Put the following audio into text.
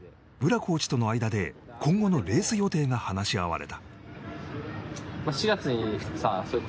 コーチとの間で今後のレース予定が話し合われた。